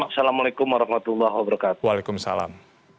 assalamualaikum warahmatullahi wabarakatuh